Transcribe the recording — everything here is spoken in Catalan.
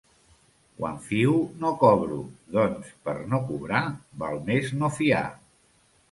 Quan fio, no cobro; doncs, per no cobrar, val més no fiar.